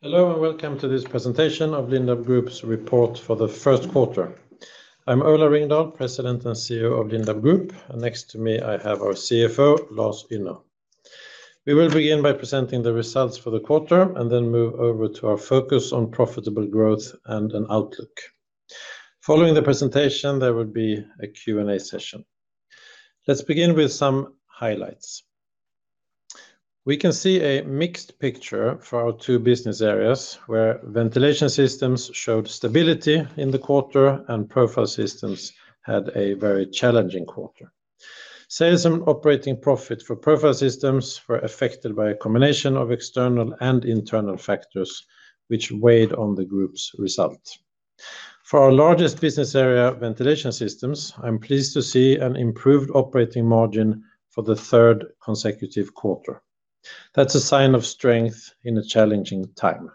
Hello, and welcome to this presentation of Lindab Group's report for the first quarter. I'm Ola Ringdahl, President and CEO of Lindab Group, and next to me I have our CFO, Lars Ynner. We will begin by presenting the results for the quarter and then move over to our focus on profitable growth and an outlook. Following the presentation, there will be a Q&A session. Let's begin with some highlights. We can see a mixed picture for our two business areas, where Ventilation Systems showed stability in the quarter and Profile Systems had a very challenging quarter. Sales and operating profit for Profile Systems were affected by a combination of external and internal factors which weighed on the group's result. For our largest business area, Ventilation Systems, I'm pleased to see an improved operating margin for the third consecutive quarter. That's a sign of strength in a challenging time.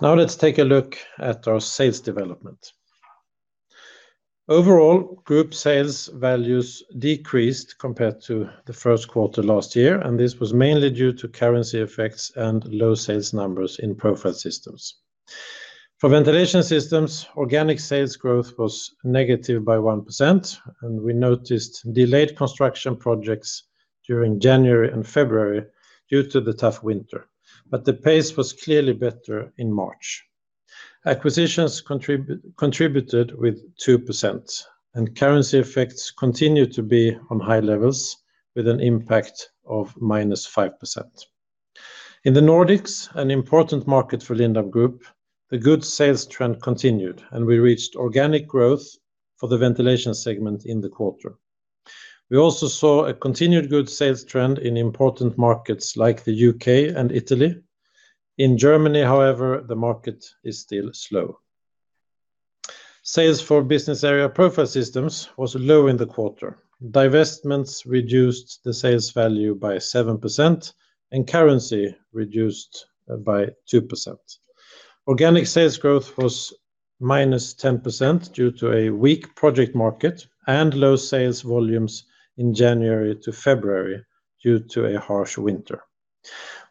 Let's take a look at our sales development. Overall, group sales values decreased compared to the first quarter last year. This was mainly due to currency effects and low sales numbers in Profile Systems. For Ventilation Systems, organic sales growth was negative by 1%. We noticed delayed construction projects during January and February due to the tough winter. The pace was clearly better in March. Acquisitions contributed with 2%. Currency effects continue to be on high levels with an impact of -5%. In the Nordics, an important market for Lindab Group, the good sales trend continued. We reached organic growth for the Ventilation segment in the quarter. We also saw a continued good sales trend in important markets like the U.K. and Italy. In Germany, however, the market is still slow. Sales for business area Profile Systems was low in the quarter. Divestments reduced the sales value by 7%. Currency reduced by 2%. Organic sales growth was -10% due to a weak project market and low sales volumes in January to February due to a harsh winter.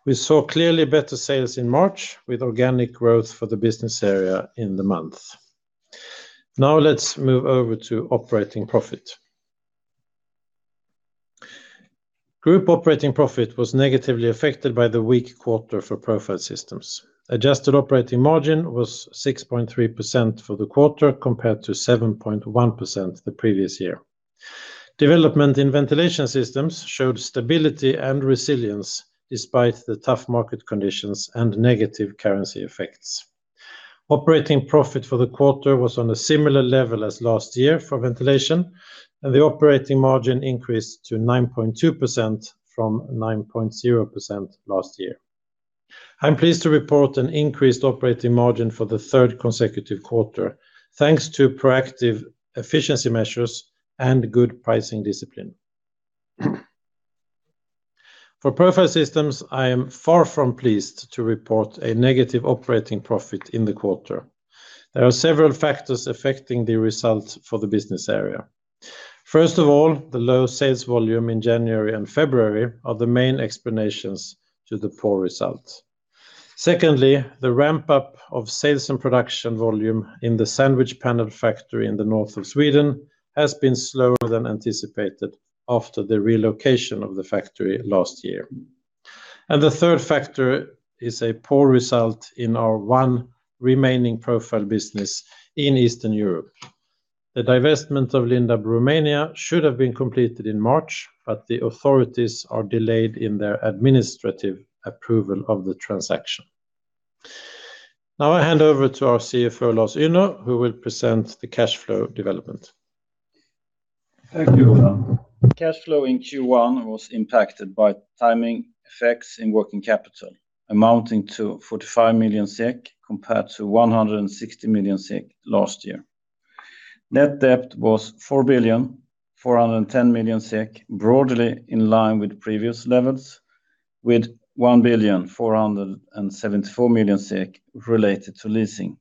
We saw clearly better sales in March with organic growth for the business area in the month. Now let's move over to operating profit. Group operating profit was negatively affected by the weak quarter for Profile Systems. Adjusted operating margin was 6.3% for the quarter compared to 7.1% the previous year. Development in Ventilation Systems showed stability and resilience despite the tough market conditions and negative currency effects. Operating profit for the quarter was on a similar level as last year for Ventilation, and the operating margin increased to 9.2% from 9.0% last year. I'm pleased to report an increased operating margin for the third consecutive quarter, thanks to proactive efficiency measures and good pricing discipline. For Profile Systems, I am far from pleased to report a negative operating profit in the quarter. There are several factors affecting the results for the business area. First of all, the low sales volume in January and February are the main explanations to the poor results. Secondly, the ramp-up of sales and production volume in the sandwich panel factory in the North of Sweden has been slower than anticipated after the relocation of the factory last year. The third factor is a poor result in our one remaining profile business in Eastern Europe. The divestment of Lindab Romania should have been completed in March, but the authorities are delayed in their administrative approval of the transaction. Now I hand over to our CFO, Lars Ynner, who will present the cash flow development. Thank you, Ola. Cash flow in Q1 was impacted by timing effects in working capital, amounting to 45 million SEK compared to 160 million SEK last year. Net debt was 4,410 million SEK, broadly in line with previous levels, with 1,474 million SEK related to leasing.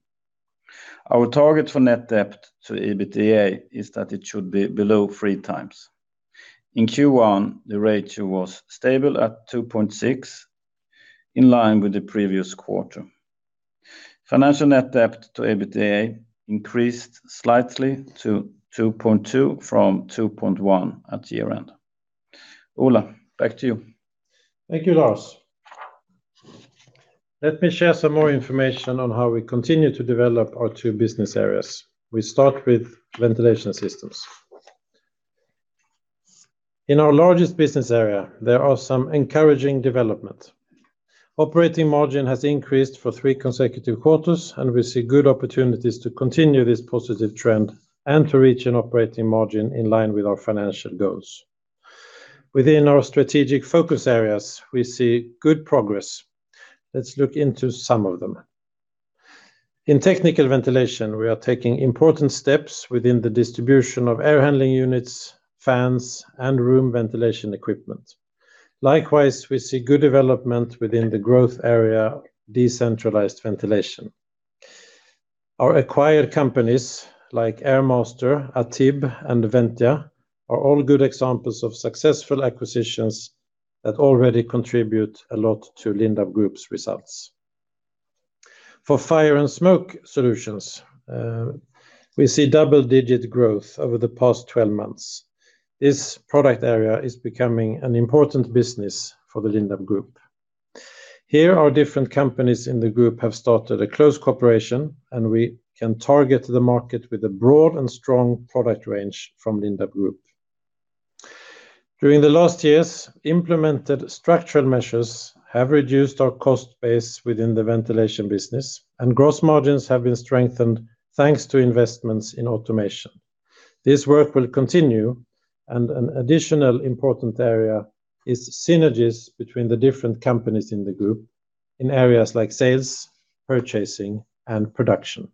Our target for net debt to EBITDA is that it should be below 3x. In Q1, the ratio was stable at 2.6, in line with the previous quarter. Financial net debt to EBITDA increased slightly to 2.2 from 2.1 at year-end. Ola, back to you. Thank you, Lars. Let me share some more information on how we continue to develop our two business areas. We start with Ventilation Systems. In our largest business area, there are some encouraging development. Operating margin has increased for three consecutive quarters, and we see good opportunities to continue this positive trend and to reach an operating margin in line with our financial goals. Within our strategic focus areas, we see good progress. Let's look into some of them. In technical ventilation, we are taking important steps within the distribution of air handling units, fans, and room ventilation equipment. Likewise, we see good development within the growth area, decentralized ventilation. Our acquired companies like Airmaster, ATIB, and Ventia are all good examples of successful acquisitions that already contribute a lot to Lindab Group's results. For fire and smoke solutions, we see double-digit growth over the past 12 months. This product area is becoming an important business for the Lindab Group. Here, our different companies in the group have started a close cooperation, and we can target the market with a broad and strong product range from Lindab Group. During the last years, implemented structural measures have reduced our cost base within the ventilation business, and gross margins have been strengthened thanks to investments in automation. This work will continue, and an additional important area is synergies between the different companies in the group in areas like sales, purchasing, and production.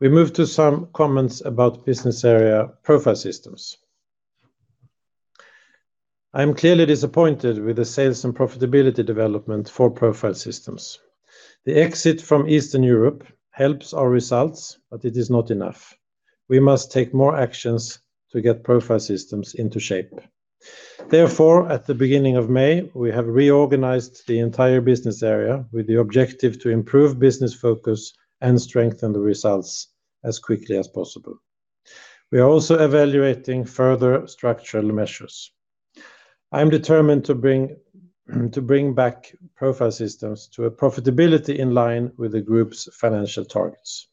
We move to some comments about business area Profile Systems. I am clearly disappointed with the sales and profitability development for Profile Systems. The exit from Eastern Europe helps our results, but it is not enough. We must take more actions to get Profile Systems into shape. Therefore, at the beginning of May, we have reorganized the entire business area with the objective to improve business focus and strengthen the results as quickly as possible. We are also evaluating further structural measures. I'm determined to bring back Profile Systems to a profitability in line with the Group's financial targets.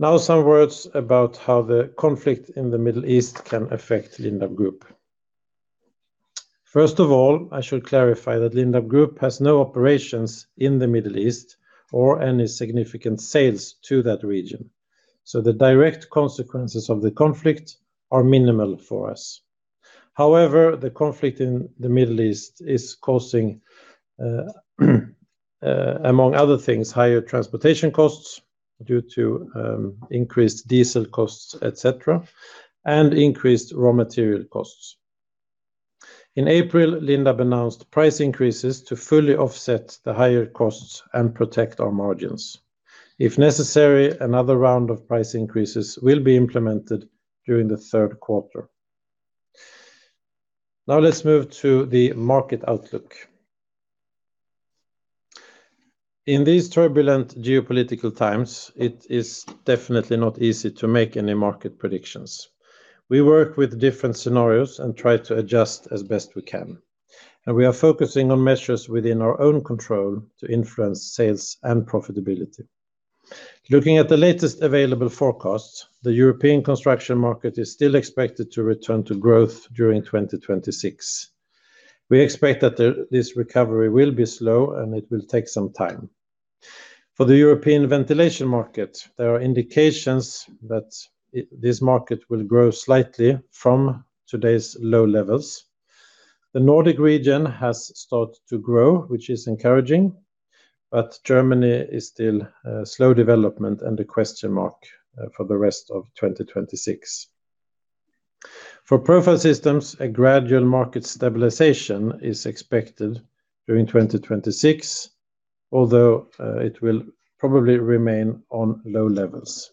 Some words about how the conflict in the Middle East can affect Lindab Group. First of all, I should clarify that Lindab Group has no operations in the Middle East or any significant sales to that region, so the direct consequences of the conflict are minimal for us. However, the conflict in the Middle East is causing, among other things, higher transportation costs due to increased diesel costs, et cetera, and increased raw material costs. In April, Lindab announced price increases to fully offset the higher costs and protect our margins. If necessary, another round of price increases will be implemented during the third quarter. Now let's move to the market outlook. In these turbulent geopolitical times, it is definitely not easy to make any market predictions. We work with different scenarios and try to adjust as best we can, and we are focusing on measures within our own control to influence sales and profitability. Looking at the latest available forecasts, the European construction market is still expected to return to growth during 2026. We expect that this recovery will be slow, and it will take some time. For the European ventilation market, there are indications that this market will grow slightly from today's low levels. The Nordic region has started to grow, which is encouraging, but Germany is still a slow development and a question mark for the rest of 2026. For Profile Systems, a gradual market stabilization is expected during 2026, although it will probably remain on low levels.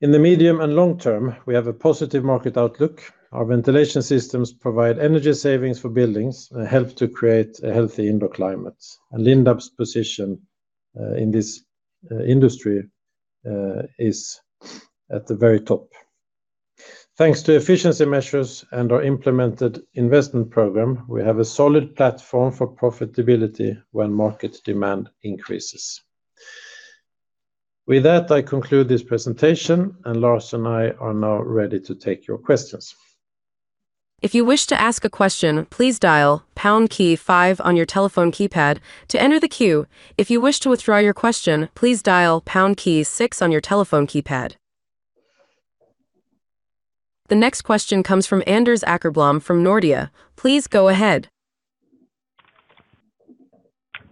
In the medium and long-term, we have a positive market outlook. Our ventilation systems provide energy savings for buildings and help to create a healthy indoor climate. Lindab's position in this industry is at the very top. Thanks to efficiency measures and our implemented investment program, we have a solid platform for profitability when market demand increases. With that, I conclude this presentation, and Lars and I are now ready to take your questions. If you wish to ask a question, please dial pound key five on your telephone keypad to enter the queue. If you wish to withdraw your question, please dial pound key six on your telephone keypad. The next question comes from Anders Åkerblom from Nordea. Please go ahead.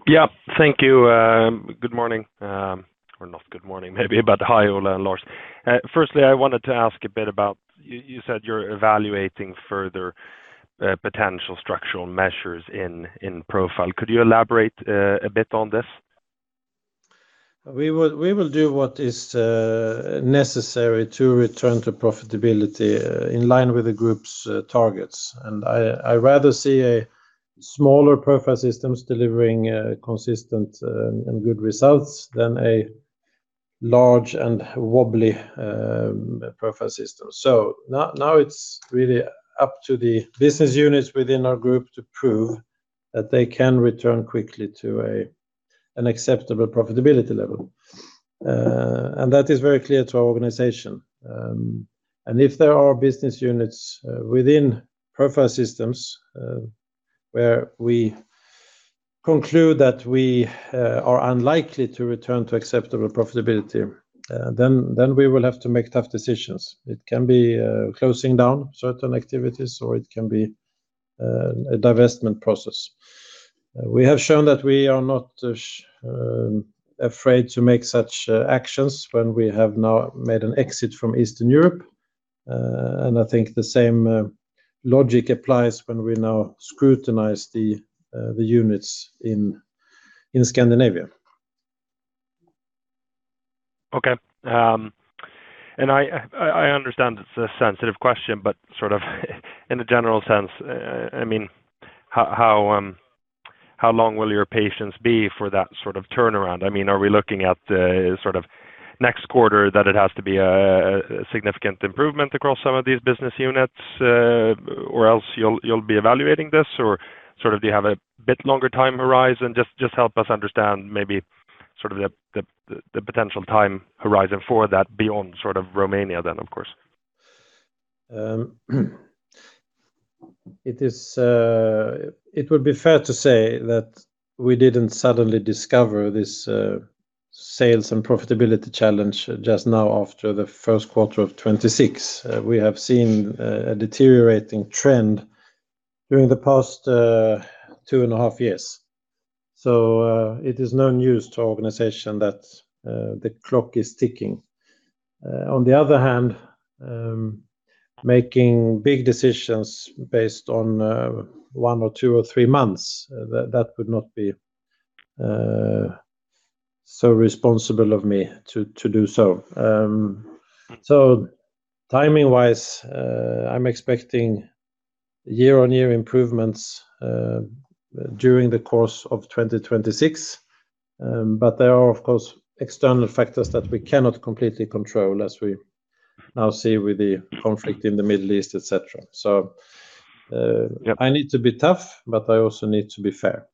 Yeah. Thank you. Good morning, or not good morning maybe, but hi, Ola and Lars. Firstly, I wanted to ask a bit about you said you're evaluating further, potential structural measures in Profile. Could you elaborate, a bit on this? We will do what is necessary to return to profitability, in line with the group's targets. I rather see a smaller Profile Systems delivering consistent and good results than a large and wobbly Profile Systems. Now it's really up to the business units within our group to prove that they can return quickly to an acceptable profitability level. That is very clear to our organization. If there are business units within Profile Systems, where we conclude that we are unlikely to return to acceptable profitability, then we will have to make tough decisions. It can be closing down certain activities, or it can be a divestment process. We have shown that we are not afraid to make such actions when we have now made an exit from Eastern Europe. I think the same logic applies when we now scrutinize the units in Scandinavia. Okay. I understand it's a sensitive question, but sort of in a general sense, how long will your patience be for that sort of turnaround? Are we looking at the sort of next quarter that it has to be a significant improvement across some of these business units, or else you'll be evaluating this? Sort of do you have a bit longer time horizon? Just help us understand maybe sort of the potential time horizon for that beyond sort of Romania then, of course. It would be fair to say that we didn't suddenly discover this sales and profitability challenge just now after the first quarter of 2026. We have seen a deteriorating trend during the past two and a half years. It is no news to our organization that the clock is ticking. On the other hand, making big decisions based on one or two or three months, that would not be so responsible of me to do so. Timing-wise, I'm expecting year-on-year improvements during the course of 2026. There are, of course, external factors that we cannot completely control, as we now see with the conflict in the Middle East, et cetera. I need to be tough, but I also need to be fair.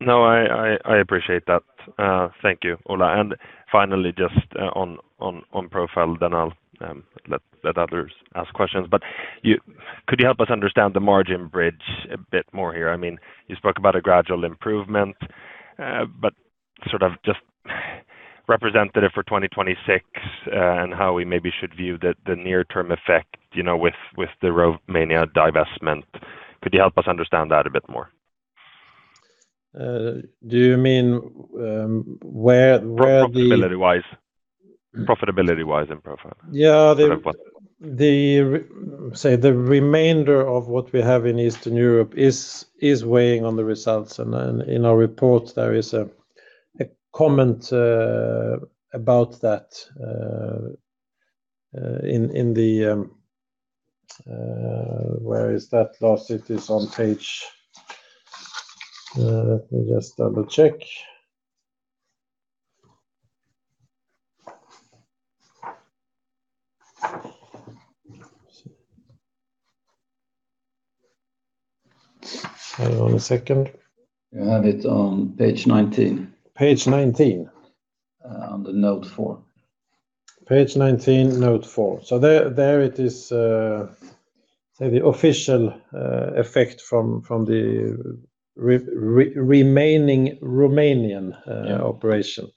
No, I appreciate that. Thank you, Ola. Finally, just on Profile, then I'll let others ask questions. Could you help us understand the margin bridge a bit more here? I mean, you spoke about a gradual improvement, but sort of just representative for 2026, and how we maybe should view the near-term effect, you know, with the Romania divestment. Could you help us understand that a bit more? Do you mean, where? Profitability-wise. Profitability-wise in Profile. Yeah. The remainder of what we have in Eastern Europe is weighing on the results. In our report, there is a comment about that in the, where is that, Lars? It is on page. Let me just double-check. Hang on a second. You have it on page 19. Page 19. Under note four. Page 19, note four. There it is, say, the official effect from the remaining Romanian operation.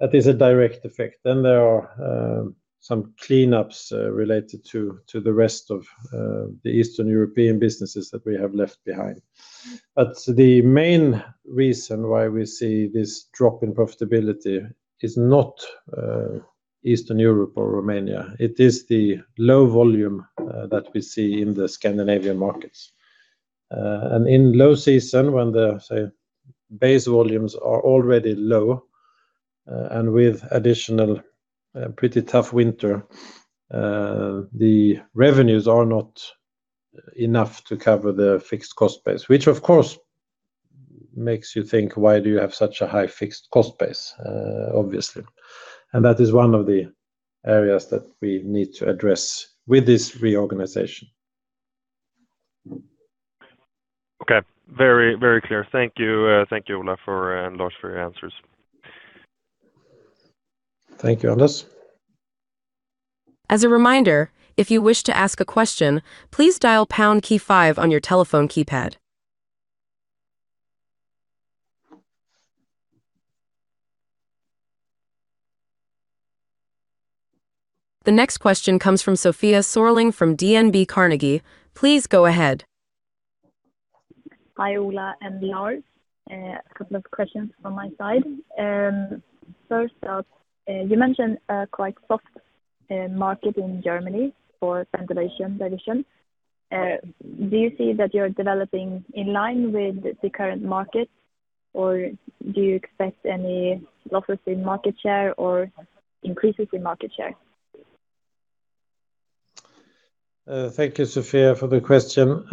That is a direct effect. There are some cleanups related to the rest of the Eastern European businesses that we have left behind. The main reason why we see this drop in profitability is not Eastern Europe or Romania. It is the low volume that we see in the Scandinavian markets. In low season, when the, say, base volumes are already low, and with additional pretty tough winter, the revenues are not enough to cover the fixed cost base. Which of course makes you think, "Why do you have such a high fixed cost base?" obviously. That is one of the areas that we need to address with this reorganization. Okay. Very, very clear. Thank you. Thank you, Ola, for, and Lars, for your answers. Thank you, Anders. As a reminder, if you wish to ask a question, please dial pound key five on your telephone keypad. The next question comes from Sofia Sörling from DNB Carnegie. Please go ahead. Hi, Ola and Lars. A couple of questions from my side. First up, you mentioned a quite soft market in Germany for ventilation division. Do you see that you're developing in line with the current market, or do you expect any losses in market share or increases in market share? Thank you, Sofia, for the question.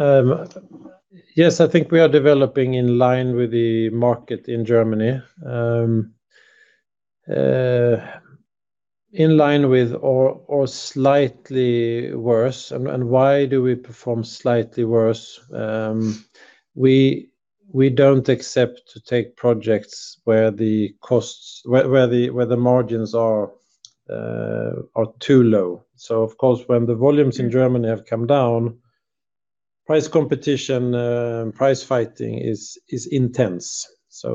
Yes, I think we are developing in line with the market in Germany. In line with or slightly worse. Why do we perform slightly worse? We don't accept to take projects where the margins are too low. Of course, when the volumes in Germany have come down, price competition, price fighting is intense.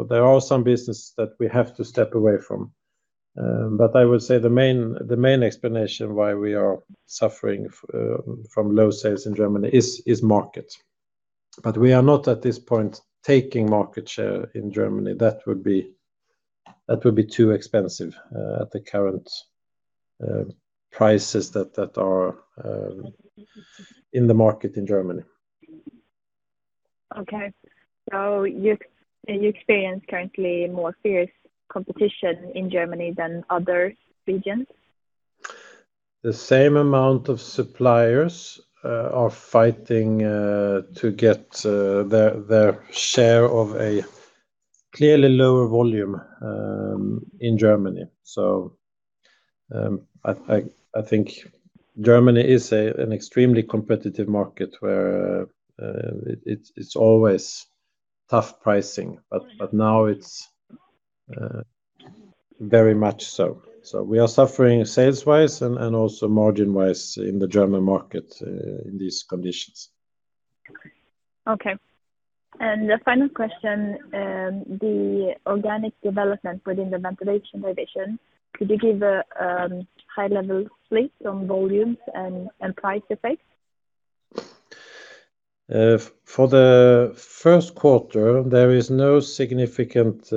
There are some business that we have to step away from. I would say the main explanation why we are suffering from low sales in Germany is market. We are not at this point taking market share in Germany. That would be too expensive at the current prices that are in the market in Germany. Okay. You experience currently more fierce competition in Germany than other regions? The same amount of suppliers are fighting to get their share of a clearly lower volume in Germany. I think Germany is an extremely competitive market where it's always tough pricing. Now it's very much so. We are suffering sales-wise and also margin-wise in the German market in these conditions. Okay. The final question, the organic development within the ventilation division, could you give a high-level read on volumes and price effects? For the first quarter, there is no significant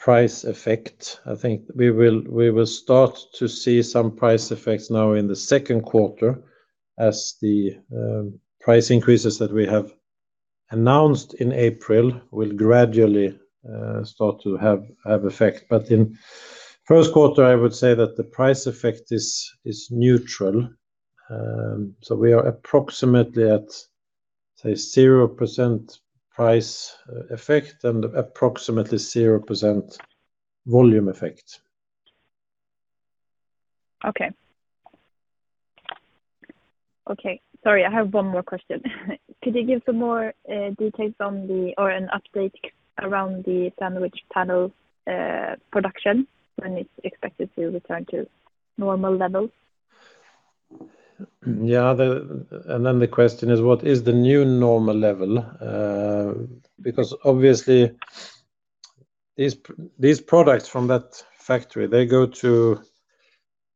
price effect. I think we will start to see some price effects now in the second quarter as the price increases that we have announced in April will gradually start to have effect. In first quarter, I would say that the price effect is neutral. We are approximately at, say, 0% price effect and approximately 0% volume effect. Okay, sorry, I have one more question. Could you give some more details on the or an update around the sandwich panel production and it's expected to return to normal levels? The question is what is the new normal level? Obviously these products from that factory, they go to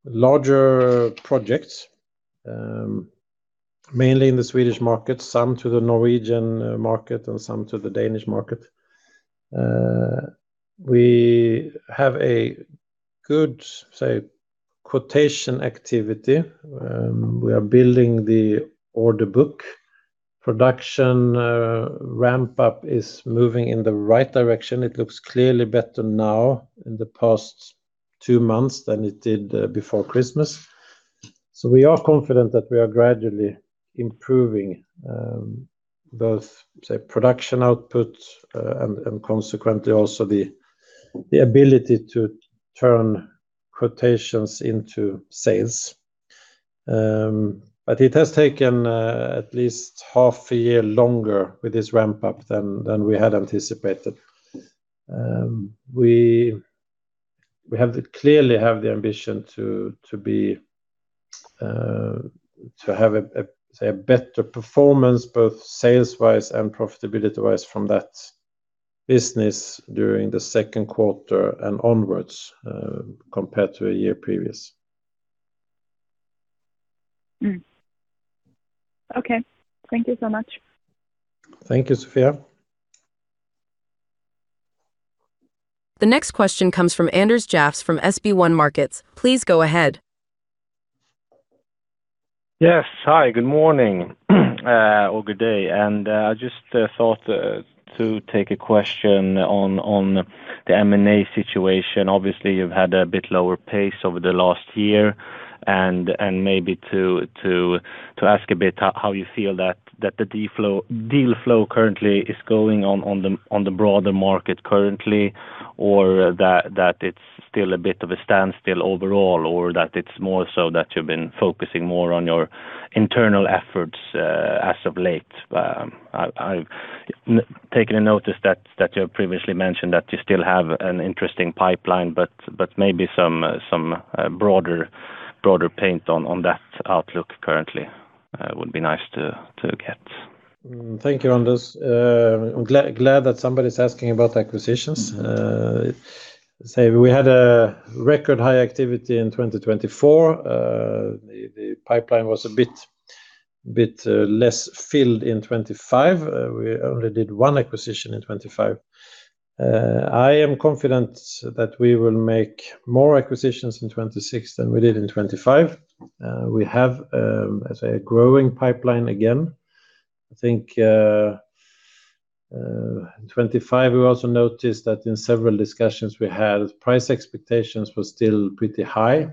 larger projects, mainly in the Swedish market, some to the Norwegian market and some to the Danish market. We have a good, say, quotation activity. We are building the order book. Production ramp-up is moving in the right direction. It looks clearly better now in the past two months than it did before Christmas. We are confident that we are gradually improving, both, say, production output, and consequently also the ability to turn quotations into sales. It has taken at least half a year longer with this ramp-up than we had anticipated. We clearly have the ambition to have a better performance both sales-wise and profitability-wise from that business during the second quarter and onwards, compared to a year previous. Okay. Thank you so much. Thank you, Sofia. The next question comes from Anders Jåfs from SB1 Markets. Please go ahead. Yes. Hi, good morning, or good day. I just thought to take a question on the M&A situation. Obviously, you've had a bit lower pace over the last year and maybe to ask a bit how you feel that the deal flow currently is going on the broader market currently, or that it's still a bit of a standstill overall, or that it's more so that you've been focusing more on your internal efforts as of late. I've taken a notice that you have previously mentioned that you still have an interesting pipeline, but maybe some broader paint on that outlook currently would be nice to get. Thank you, Anders. I'm glad that somebody's asking about acquisitions. Say we had a record high activity in 2024. The pipeline was a bit less filled in 2025. We only did one acquisition in 2025. I am confident that we will make more acquisitions in 2026 than we did in 2025. We have as a growing pipeline again. I think, in 2025, we also noticed that in several discussions we had, price expectations were still pretty high.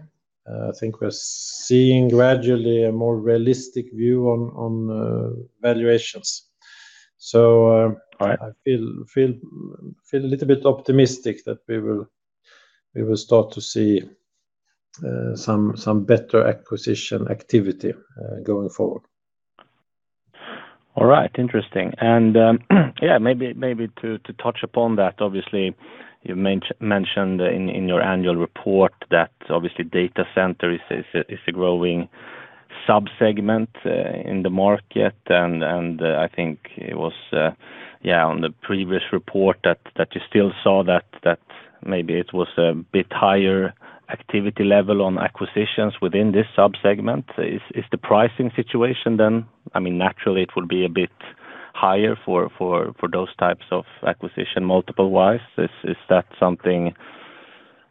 I think we're seeing gradually a more realistic view on valuations. All right. I feel a little bit optimistic that we will start to see some better acquisition activity going forward. All right. Interesting. Maybe to touch upon that. Obviously, you mentioned in your annual report that obviously data center is a growing sub-segment in the market. I think it was on the previous report that you still saw that maybe it was a bit higher activity level on acquisitions within this sub-segment. Is the pricing situation then, I mean, naturally it would be a bit higher for those types of acquisition multiple-wise? Is that something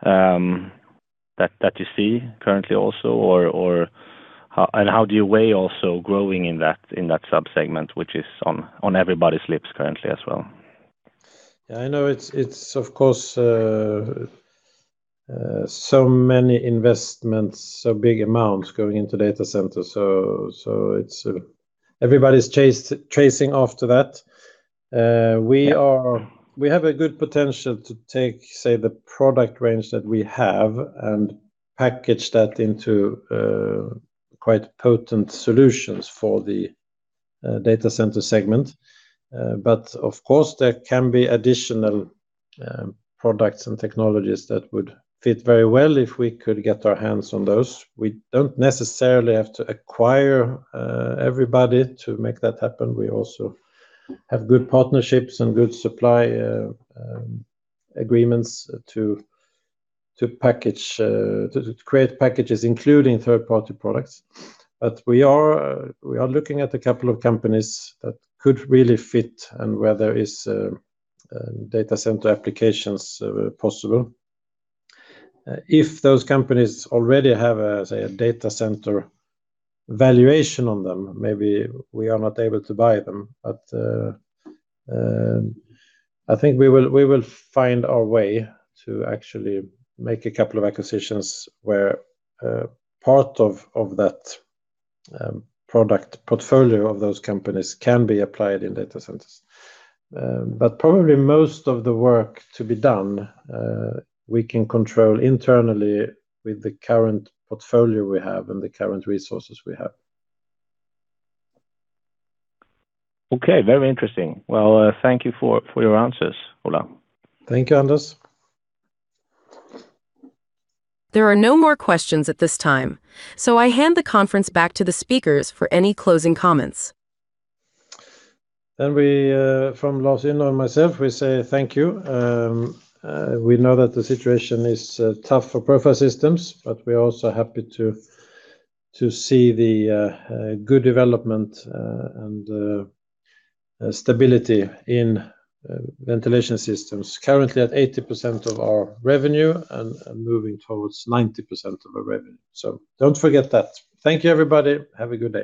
that you see currently also and how do you weigh also growing in that sub-segment which is on everybody's lips currently as well? I know it's of course, so many investments, so big amounts going into data centers. So it's everybody's chasing after that. We have a good potential to take, say, the product range that we have and package that into quite potent solutions for the data center segment. Of course, there can be additional products and technologies that would fit very well if we could get our hands on those. We don't necessarily have to acquire everybody to make that happen. We also have good partnerships and good supply agreements to package, to create packages including third-party products. We are looking at a couple of companies that could really fit and where there is data center applications possible. If those companies already have a, say, a data center valuation on them, maybe we are not able to buy them. I think we will find our way to actually make a couple of acquisitions where part of that product portfolio of those companies can be applied in data centers. Probably most of the work to be done, we can control internally with the current portfolio we have and the current resources we have. Okay, very interesting. Well, thank you for your answers, Ola. Thank you, Anders. There are no more questions at this time, so I hand the conference back to the speakers for any closing comments. We, from Lars Ynner and myself, we say thank you. We know that the situation is tough for Profile Systems, but we're also happy to see the good development and stability in Ventilation Systems currently at 80% of our revenue and moving towards 90% of our revenue. Don't forget that. Thank you, everybody. Have a good day.